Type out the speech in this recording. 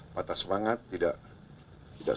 patah semangat tidak